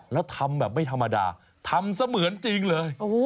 แล้วทำแบบไม่ธรรมดาทำเสมือนจริงเลย